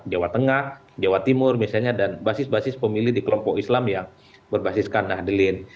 jawa tengah jawa timur misalnya dan basis basis pemilih di kelompok islam yang berbasiskan nahdlin